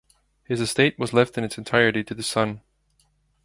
His estate was left in its entirety to his son.